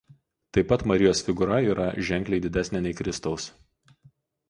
Taip pat Marijos figūra yra ženkliai didesnė nei Kristaus.